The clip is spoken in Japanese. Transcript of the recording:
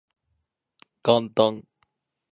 元旦